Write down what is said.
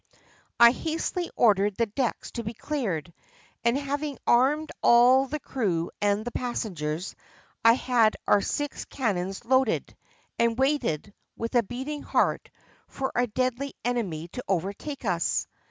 I hastily ordered the decks to be cleared, and having armed all the crew and the passengers, I had our six cannons loaded, and waited, with a beating heart, for our deadly enemy to overtake us.